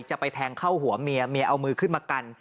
จะไปแทงเข้าหัวเมียเมียเอามือขึ้นมากัน